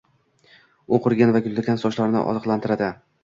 U qurigan va gullagan sochlarni oziqlantiradi.